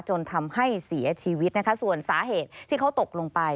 จนทำให้เสียชีวิตนะคะส่วนสาเหตุที่เขาตกลงไป